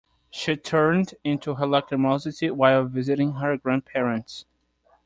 She turned into her lachrymosity while visiting her grandparents.